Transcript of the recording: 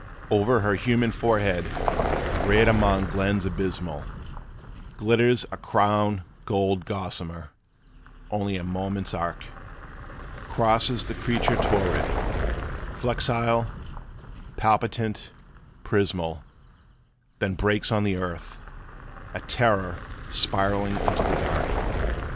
'Over her human forehead, reared among glens abysmal, Glitters a crown gold gossamer; only a moment's arc Crosses the creature torrid, flexile, palpitant, prismal, Then breaks on the earth, a terror spiralling into the dark.